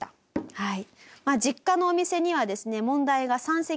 はい。